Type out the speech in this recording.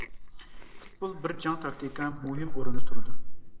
پۇتبول بىر جەڭ تاكتىكا مۇھىم ئورۇندا تۇرىدۇ.